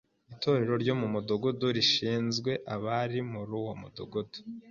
Itorero ryo mu Mudugudu rishinzwe abari muruwo mudugudu